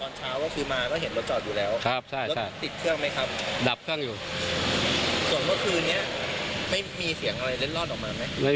เคยเห็นผู้ชายกับผู้หญิงคู่นี้ไหมไม่เคยครับผู้ชายนี้ก็ไม่เคยเห็นใช่ไหม